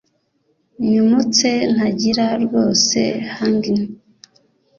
nimutse ntangira rwose hangin '